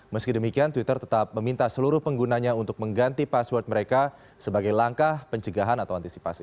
meski demikian twitter tetap meminta seluruh penggunanya untuk mengganti password mereka sebagai langkah pencegahan atau antisipasi